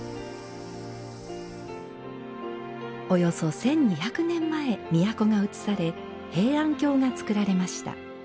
およそ１２００年前、都が移され平安京がつくられました。